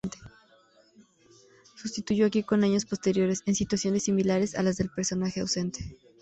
Sustituyó a Quico en años posteriores, en situaciones similares a las del personaje ausente.